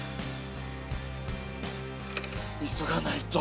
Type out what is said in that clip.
急がないと。